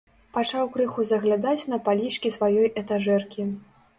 Пачаў крыху заглядаць на палічкі сваёй этажэркі.